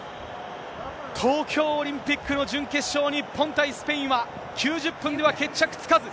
東京オリンピックの準決勝、日本対スペインは、９０分では決着つかず。